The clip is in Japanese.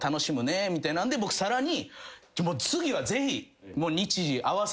僕さらに。